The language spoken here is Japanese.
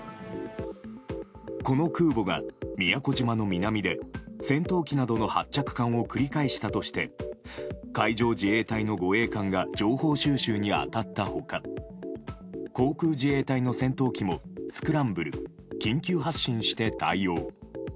この空母が宮古島の南で戦闘機などの発着間を繰り返したとして海上自衛隊の艦船が情報収集に当たったほか航空自衛隊の飛行機もスクランブル緊急発進して対応。